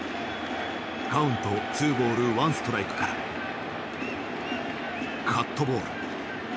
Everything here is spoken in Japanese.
カウントツーボールワンストライクからカットボール。